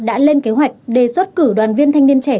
đã lên kế hoạch đề xuất cử đoàn viên thanh niên trẻ